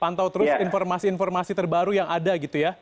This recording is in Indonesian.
pantau terus informasi informasi terbaru yang ada gitu ya